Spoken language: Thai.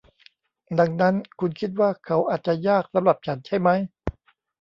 ดังนั้นคุณคิดว่าเขาอาจจะยากสำหรับฉันใช่มั้ย